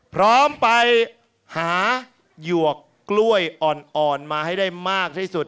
พร้อมไปหาหยวกกล้วยอ่อนมาให้ได้มากที่สุด